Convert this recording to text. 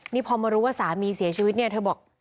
นี่พอมารู้ว่าสามีเสียชีวิตเนี่ยเธอบอก